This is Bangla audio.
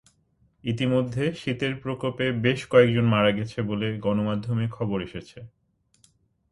ইতিমধ্যে শীতের প্রকোপে বেশ কয়েকজন মারা গেছে বলে গণমাধ্যমে খবর এসেছে।